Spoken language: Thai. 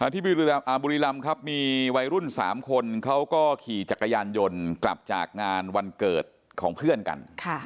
ที่บุรีรำครับมีวัยรุ่น๓คนเขาก็ขี่จักรยานยนต์กลับจากงานวันเกิดของเพื่อนกัน